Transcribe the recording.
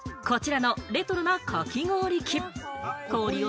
こちらのレトロな、かき氷器。